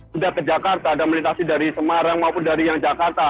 sudah ke jakarta dan melintasi dari semarang maupun dari yang jakarta